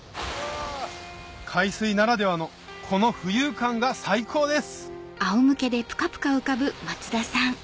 海水ならではのこの浮遊感が最高です